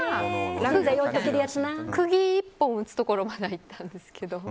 釘、１本打つところまではいったんですけど。